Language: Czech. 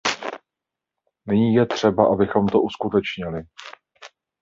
Nyní je třeba, abychom to uskutečnili.